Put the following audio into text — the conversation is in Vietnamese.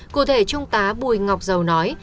cụ thể trung tá bùi ngọc dầu nói